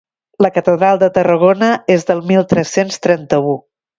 La catedral de Tarragona és del mil tres-cents trenta-u.